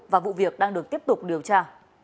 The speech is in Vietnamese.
và vụ việc đang được tiếp tục điều tra